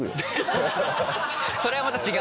それはまた違う。